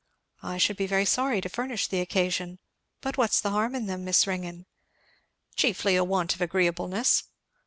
"I should be very sorry to furnish the occasion, but what's the harm in them, Miss Ringgan?" "Chiefly a want of agreeableness."